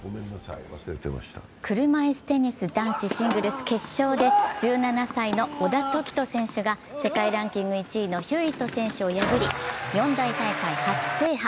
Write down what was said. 車いすテニス男子シングルス決勝で１７歳の小田凱人選手が世界ランキング１位のヒューイット選手を破り、四大大会初制覇。